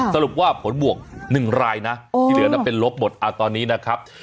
สรุปว่าผลบวก๑รายนะที่เหลือเป็นลบหมดตอนนี้นะครับ